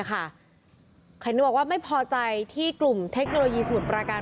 เห็นบอกว่าไม่พอใจที่กลุ่มเทคโนโลยีสมุทรปราการ